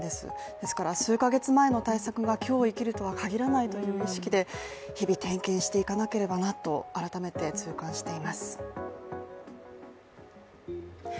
ですから数か月前の対策が今日生きるとは限らないという意識で日々、点検していかなければなと、改めて痛感しています。